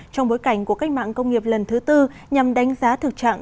trong bối cảnh của cách mạng công nghiệp lần thứ tư nhằm đánh giá thực trạng